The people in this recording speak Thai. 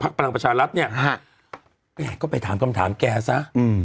ภักดิ์ประหลังประชารัฐเนี่ยฮะก็ไปถามคำถามแกซะอืม